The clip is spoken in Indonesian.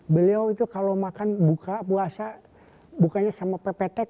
beliau itu kalau makan buka puasa bukanya sama pepetek